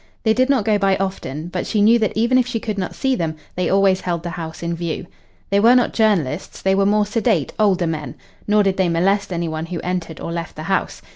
They did not go by often, but she knew that even if she could not see them they always held the house in view. They were not journalists they were more sedate, older men. Nor did they molest any one who entered or left the house.